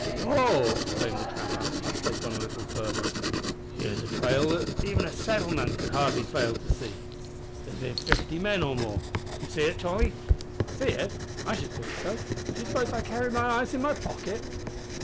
"Ho!" exclaimed the trapper, after they had gone a little farther; "here's a trail that even a settlement man could hardly fail to see. There's bin fifty men or more. D'ye see it Tolly?" "See it? I should think so. D'you suppose I carry my eyes in my pocket?"